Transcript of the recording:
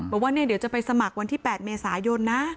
บอกว่าเดี๋ยวจะไปสมัครวันที่๘เมษายนนะ